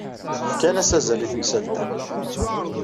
Fkan-as azal i temsalt-a.